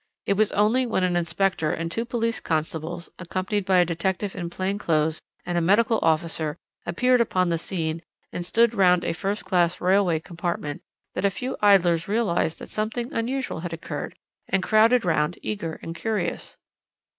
It was only when an inspector and two police constables, accompanied by a detective in plain clothes and a medical officer, appeared upon the scene, and stood round a first class railway compartment, that a few idlers realized that something unusual had occurred, and crowded round, eager and curious.